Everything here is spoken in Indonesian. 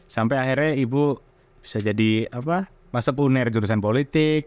sampai akhirnya ibu bisa jadi masa pulner jurusan politik